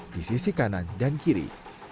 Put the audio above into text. di sisi kanan dan kiri